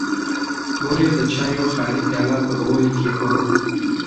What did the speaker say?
مور یې د چایو خالي پیاله پر غولي کېښوده.